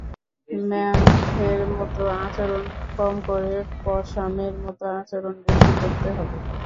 ম্যামথের মতো আচরণ কম করে পসামের মতো আচরণ বেশি করতে হবে।